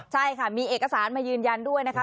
ใช่ค่ะมีเอกสารมายืนยันด้วยนะคะ